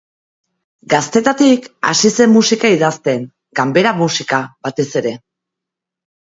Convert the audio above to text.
Gaztetatik hasi zen musika idazten, ganbera musika, batez ere.